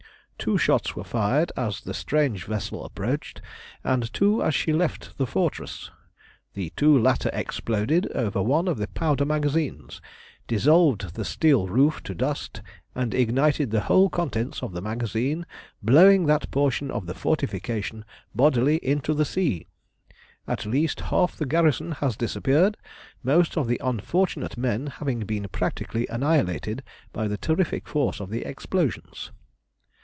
Two shots were fired as the strange vessel approached, and two as she left the fortress. The two latter exploded over one of the powder magazines, dissolved the steel roof to dust, and ignited the whole contents of the magazine, blowing that portion of the fortification bodily into the sea. At least half the garrison has disappeared, most of the unfortunate men having been practically annihilated by the terrific force of the explosions.